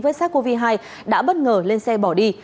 với sars cov hai đã bất ngờ lên xe bỏ đi